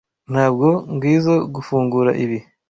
Ntabwo ngizoe gufungura ibi.